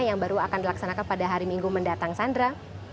yang baru akan dilaksanakan pada hari minggu mendatang sandra